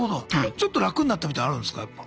ちょっと楽になったみたいのあるんすかやっぱ。